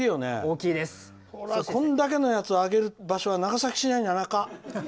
これだけのものを上げる場所は長崎市内には、なか。